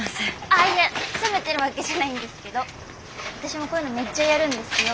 ああいえ責めてるわけじゃないんですけど私もこういうのめっちゃやるんですよ。